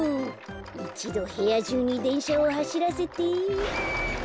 いちどへやじゅうにでんしゃをはしらせて。